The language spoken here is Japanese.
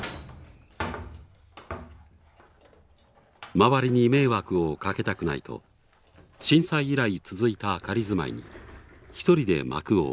周りに迷惑をかけたくないと震災以来続いた仮住まいに一人で幕を下ろすことにした。